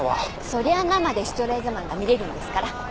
そりゃあ生でシュトレーゼマンが見れるんですから。